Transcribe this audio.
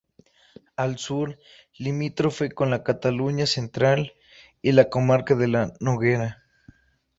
Al sur, limítrofe con la Cataluña central y la comarca de la Noguera.